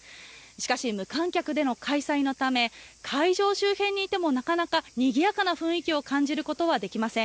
しかし、無観客での開催のため会場周辺にいてもなかなか、にぎやかな雰囲気を感じることはできません。